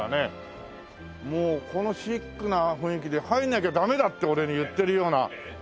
もうこのシックな雰囲気で入らなきゃダメだって俺に言ってるような。